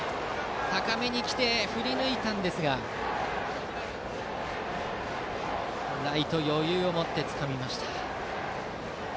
高めに来て振り抜いたんですがライト、余裕を持ってつかみました。